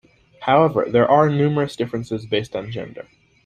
However, there are numerous differences based on gender.